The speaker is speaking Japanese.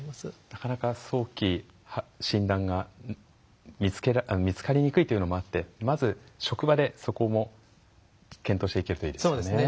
なかなか早期診断が見つかりにくいというのもあってまず職場でそこも検討していけるといいですね。